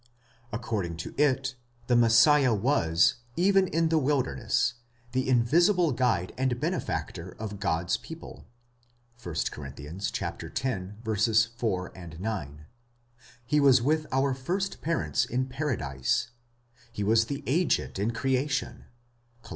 Accord ing to it, the Messiah was, even in the wilderness, the invisible guide and. benefactor of God's people (1 Cor. x. 4, 9) ;8 he was with our first parents. in Paradise;® he was the agent in creation (Col.